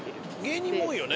芸人も多いよね。